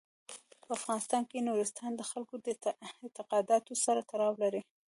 په افغانستان کې نورستان د خلکو د اعتقاداتو سره تړاو لري.